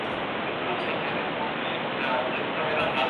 پشاور تاجروں کا گیس کی غیر اعلانیہ لوڈشیڈنگ کیخلاف احتجاج